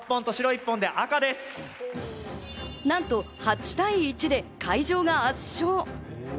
なんと８対１で海城が圧勝。